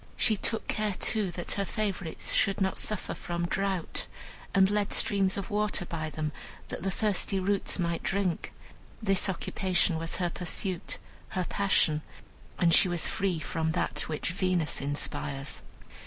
She took care, too, that her favorites should not suffer from drought, and led streams of water by them, that the thirsty roots might drink. This occupation was her pursuit, her passion; and she was free from that which Venus inspires.